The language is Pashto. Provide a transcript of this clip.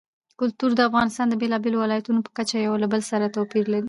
کلتور د افغانستان د بېلابېلو ولایاتو په کچه یو له بل سره توپیر لري.